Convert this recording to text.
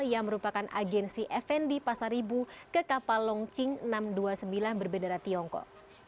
yang merupakan agensi fn di pasar ibu ke kapal long ching enam ratus dua puluh sembilan berbeda darat tiongkok